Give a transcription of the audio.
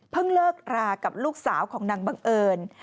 เลิกรากับลูกสาวของนางบังเอิญ